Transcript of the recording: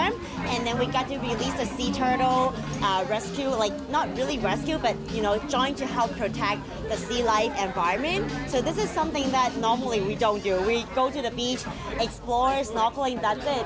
มันแรกเกิดอะไรที่สำหรับผู้ชาย